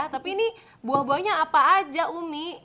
tapi ini buah buahnya apa aja umi